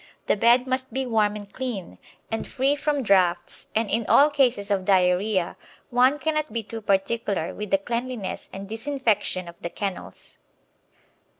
The bed must be warm and clean, and free from draughts, and, in all cases of diarrhoea, one cannot be too particular with the cleanliness and disinfection of the kennels.